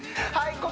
はい